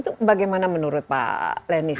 itu bagaimana menurut pak lenis